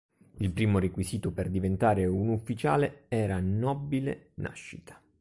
Il primo requisito per diventare un ufficiale era nobile nascita.